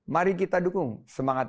mari kita dukung semangat